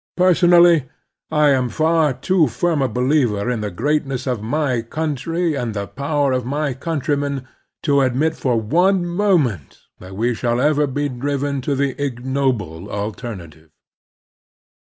Personally, I am far too firm a believer in the greatness of my coimtry and the power of my coimtrymen to admit for one moment that we shall ever be driven to the ignoble alterna tive.